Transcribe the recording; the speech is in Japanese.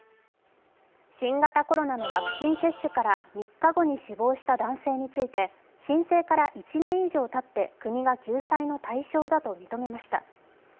新型コロナのワクチン接種から３日後に死亡した男性について申請から１年以上たって国が救済の対象さと認めました。